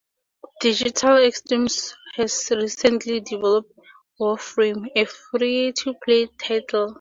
Digital Extremes has recently developed "Warframe", a Free-to-play title.